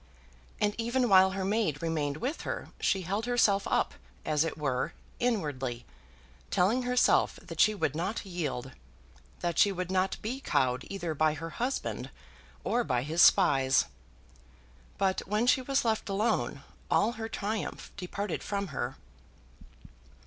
And even while her maid remained with her she held herself up, as it were, inwardly, telling herself that she would not yield, that she would not be cowed either by her husband or by his spies. But when she was left alone all her triumph departed from her.